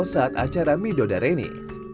saat acara midoda reni